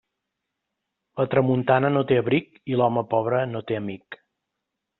La tramuntana no té abric i l'home pobre no té amic.